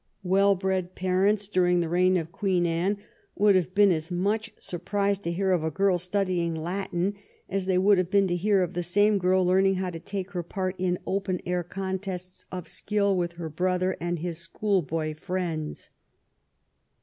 Well bred parents during the reign of Queen Anne would have been as much sur prised to hear of a girl studying Latin as they would have been to hear of the same girl learning how to take her part in open air contests of skill with her brother and his school boy friends.